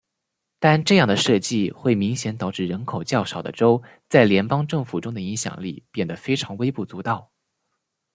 但这样的设计会明显导致人口较少的州在联邦政府中的影响力变得非常微不足道。